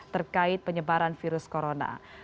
terkait penyebaran virus corona